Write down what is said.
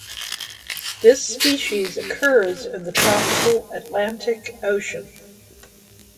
This species occurs in the tropical Atlantic Ocean.